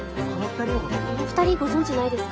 この２人ご存じないですか？